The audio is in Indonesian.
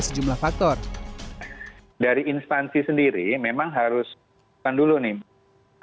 sejumlah faktor dari instansi sendiri memang haruskan dulu nih